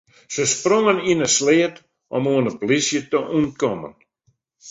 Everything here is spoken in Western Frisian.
Se sprongen yn in sleat om oan de polysje te ûntkommen.